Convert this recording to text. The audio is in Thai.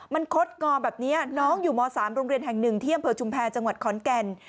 มันคดงอแบบนี้น้องอยู่ม๓โรงเรียนแห่งหนึ่งที่อำเภอชุมแพรจังหวัดขอนแก่น